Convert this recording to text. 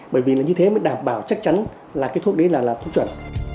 bởi vì là như thế mới đảm bảo chắc chắn là cái thuốc đấy là thuốc chuẩn